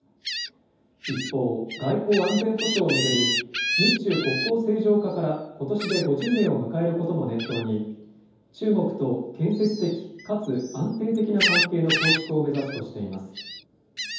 一方、外交・安全保障を巡り、日中国交正常化からことしで５０年を迎えることも念頭に、中国と建設的かつ安定的な関係の構築を目指すとしています。